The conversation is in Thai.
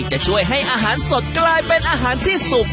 จะช่วยให้อาหารสดกลายเป็นอาหารที่สุก